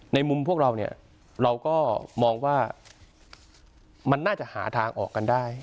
ในมุมพวกเราเนี่ยเราก็มองว่ามันน่าจะหาทางออกกันได้